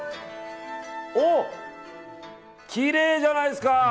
おお、きれいじゃないですか！